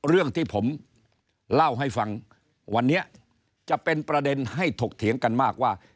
เรื่องที่ผมเล่าให้ฟังวันนี้จะเป็นประเด็นให้ถกเถียงกันมากว่า